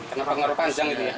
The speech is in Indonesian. kenapa pengurangan panjang itu ya